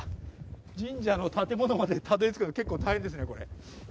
神社の建物までたどり着くの、結構大変ですね、これ。